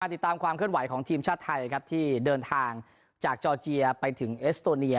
ติดตามความเคลื่อนไหวของทีมชาติไทยครับที่เดินทางจากจอร์เจียไปถึงเอสโตเนีย